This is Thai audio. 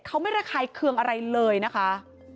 เขาไม่ระคายเคืองอะไรเลยนะคะ